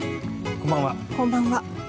こんばんは。